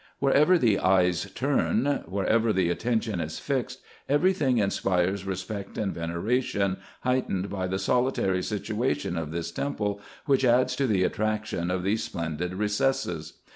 Wherever the eyes turn, wherever the attention is fixed, every thing inspires respect and veneration, heightened by the solitary situation of this temple, which adds to the attraction of these splendid recesses.